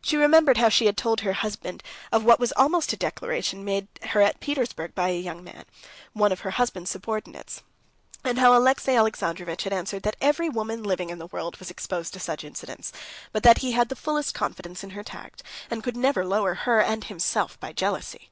She remembered how she had told her husband of what was almost a declaration made her at Petersburg by a young man, one of her husband's subordinates, and how Alexey Alexandrovitch had answered that every woman living in the world was exposed to such incidents, but that he had the fullest confidence in her tact, and could never lower her and himself by jealousy.